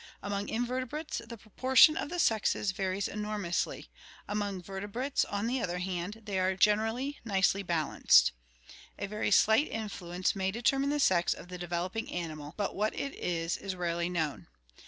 Among invertebrates the proportion of the sexes HEREDITY 151 varies enormously; among vertebrates, on the other hand, they are generally nicely balanced. A very slight influence may de termine the sex of the developing animal, but what it is is rarely known.